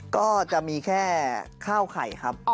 ก็จะมีแค่ข้าวไข่ครับ